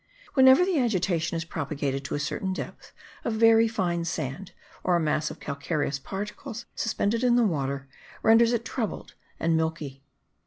Whenever the agitation is propagated to a certain depth, a very fine sand, or a mass of calcareous particles suspended in the water, renders it troubled and milky.